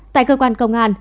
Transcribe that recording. tại cơ quan công an